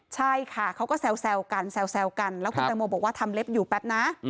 ใช่ค่ะเขาก็แซวกันแซวกันแล้วคุณแตงโมบอกว่าทำเล็บอยู่แป๊บนะ